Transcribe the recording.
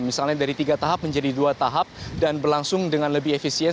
misalnya dari tiga tahap menjadi dua tahap dan berlangsung dengan lebih efisien